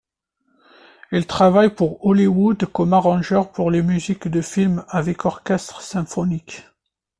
Il travaille pour Hollywood comme arrangeur pour les musiques de film avec orchestre symphonique.